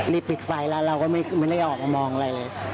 ปิดไฟแล้วเราก็ไม่ได้ออกมามองอะไรเลย